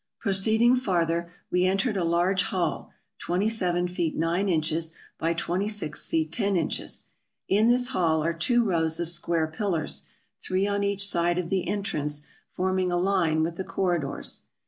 Proceeding farther, we entered a large hall, twenty seven feet nine inches by twenty six feet ten inches. In this hall are two rows of square pillars, three on each side of the entrance, forming a line with the corridors.